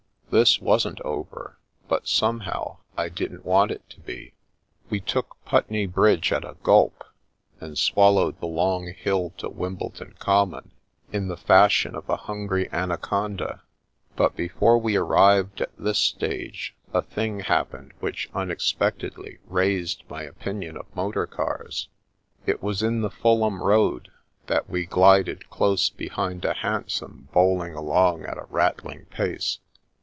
This wasn't over, but somehow, I didn't want it to be. We took Putney Bridge at a gulp, and swallowed the long hill to Wimbledon Common in the fashion of a hungry anaconda ; but before we arrived at this stage a thing happened which unexpectedly raised my opinion of motor cars. It was in the Fulham Road that we glided close behind a hansom bowling along at a rattling pace.